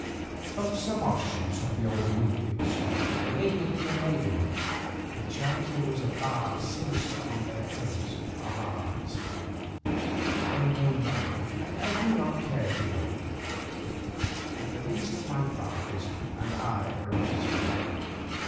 But some offshoots of the old Wingfield stock lingered in the neighbourhood, perchance there was a bar sinister on their coat of arms, I know not and do not care to know; at the least my fathers and I are of this blood.